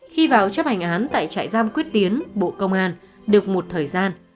khi vào chấp hành án tại trại giam quyết tiến bộ công an được một thời gian